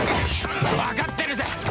わかってるぜ！